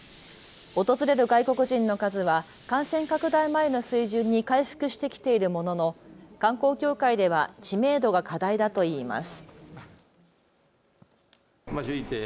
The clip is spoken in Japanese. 訪れる外国人の数は感染拡大前の水準に回復してきているものの観光協会では知名度が課題だといいます。